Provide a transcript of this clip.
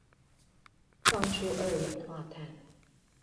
放出二氧化碳